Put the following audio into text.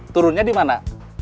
turunnya di mana